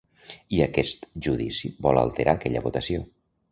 I aquest judici vol alterar aquella votació.